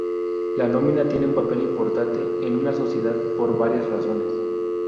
La nómina tiene un papel importante en una sociedad por varias razones.